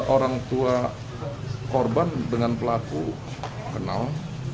orang tua korban dengan pelaku kenal